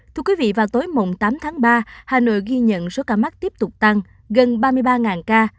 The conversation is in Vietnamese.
thưa quý vị vào tối mùng tám tháng ba hà nội ghi nhận số ca mắc tiếp tục tăng gần ba mươi ba ca